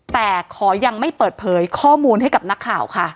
แต่ขอยังไม่เปิดเผยข้อมูลให้กับนักข่าวค่ะ